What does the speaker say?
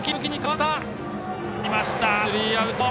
スリーアウト。